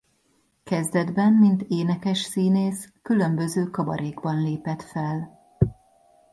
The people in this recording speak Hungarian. Kezdetben mint énekes-színész különböző kabarékban lépett fel.